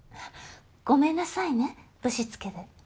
ごめんなさいねぶしつけで。